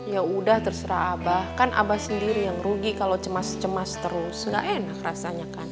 ya udah terserah abah kan abah sendiri yang rugi kalau cemas cemas terus gak enak rasanya kan